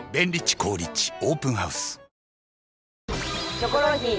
『キョコロヒー』